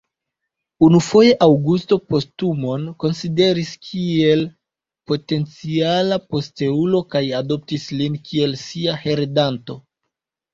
Unufoje Aŭgusto Postumon konsideris kiel potenciala posteulo kaj adoptis lin kiel sia heredanto.